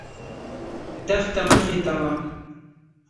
دښته مخې ته وه.